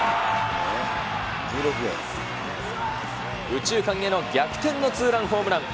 右中間への逆転のツーランホームラン。